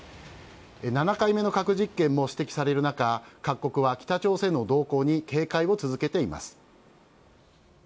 ７回目の核実験も指摘される中、各国は北朝鮮の動向に警戒を続けています。